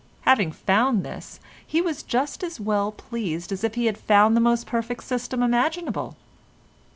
Having found this he was just as well pleased as if he had found the most perfect system imaginable.